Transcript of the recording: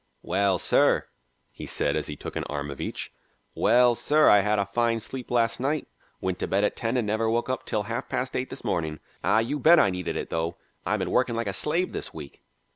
"Well, sir," he said as he took an arm of each, "well, sir, I had a fine sleep last night; went to bed at ten and never woke up till half past eight this morning. Ah, you bet I needed it, though. I've been working like a slave this week.